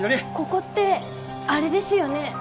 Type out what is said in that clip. ここってあれですよね？